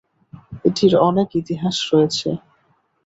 এটির অনেক ইতিহাস রয়েছে।